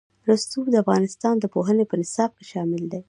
رسوب د افغانستان د پوهنې په نصاب کې شامل دي.